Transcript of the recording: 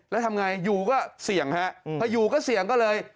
แล้วทำไงอยู่ก็เสี่ยงฮะพออยู่ก็เสี่ยงก็เลย